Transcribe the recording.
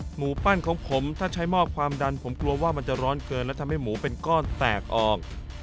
หมูปั้นของผมถ้าใช้หม้อความดันผมกลัวว่ามันจะร้อนเกินและทำให้หมูเป็นก้อนแตกออก